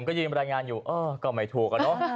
ผมก็ยืนรายงานอยู่ก็ไม่ถูกแล้วเนอะ